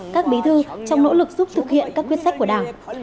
các bí thư trong nỗ lực giúp thực hiện các quyết sách của đảng